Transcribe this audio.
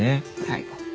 はい。